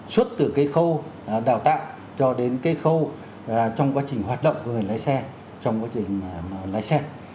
suốt từ cái khâu đào tạo cho đến cái khâu trong quá trình hoạt động của người lái xe trong quá trình lái xe